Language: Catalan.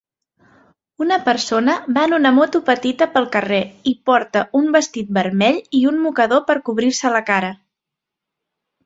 Una persona va en una moto petita pel carrer i porta un vestit vermell i un mocador per cobrir-se la cara